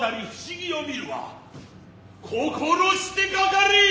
心してかかれ。